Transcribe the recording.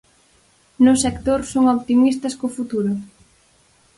No sector son "optimistas" co futuro.